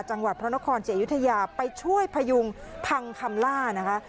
จังหวัดพระนครศรีอยุธยาไปช่วยพยุงพังคำล่านะคะ